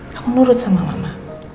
kamu nurut sama mama